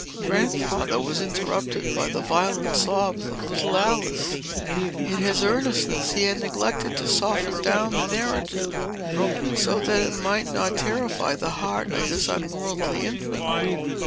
Grandfather was interrupted by the violent sobs of little Alice. In his earnestness, he had neglected to soften down the narrative, so that it might not terrify the heart of this unworldly infant.